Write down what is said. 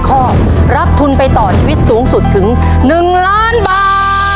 ข้อรับทุนไปต่อชีวิตสูงสุดถึง๑ล้านบาท